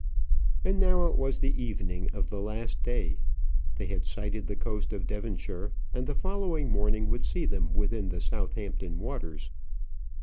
And now it was the evening of the last day. They had sighted the coast of Devonshire, and the following morning would see them within the Southampton waters.